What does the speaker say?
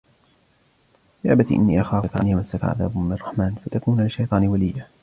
يَا أَبَتِ إِنِّي أَخَافُ أَنْ يَمَسَّكَ عَذَابٌ مِنَ الرَّحْمَنِ فَتَكُونَ لِلشَّيْطَانِ وَلِيًّا